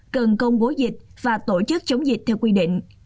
cần công bố dịch và tổ chức chống dịch theo quy định